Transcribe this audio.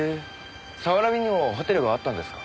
早蕨にもホテルがあったんですか？